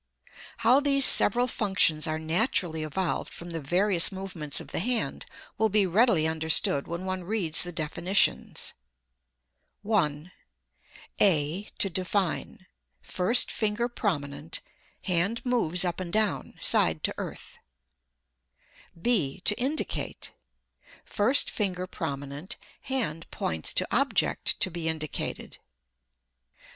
How these several functions are naturally evolved from the various movements of the hand will be readily understood when one reads the definitions: 1. (a) To define: first finger prominent; hand moves up and down, side to earth; (b) to indicate: first finger prominent; hand points to object to be indicated.